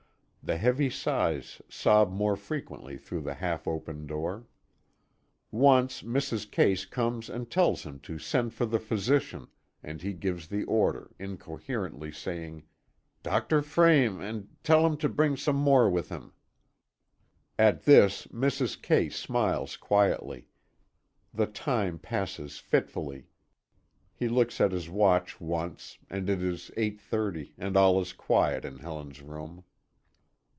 The heavy sighs sob more frequently through the half open door. Once Mrs. Case comes and tells him to send for the physician, and he gives the order, incoherently saying: "Dr. Frame, and tell him to bring some more with him." At this, Mrs. Case smiles quietly. The time passes fitfully. He looks at his watch once, and it is 8:30, and all is quiet in Helen's room.